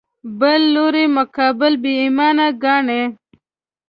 بل لوري مقابل بې ایمانه ګاڼه